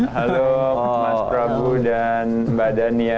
halo mas prabu dan mbak dania